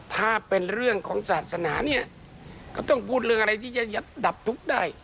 ถ้าเป็นเรื่องของศาสนาเนี่ยก็ต้องพูดเรื่องอะไรที่จะดับทุกข์ได้